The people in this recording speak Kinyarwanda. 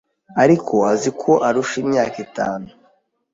Ariko azi ko arusha imyaka itanu